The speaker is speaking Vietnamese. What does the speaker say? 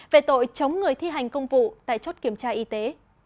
về tội chống người thi hành công vụ tại chốt kiểm tra y tế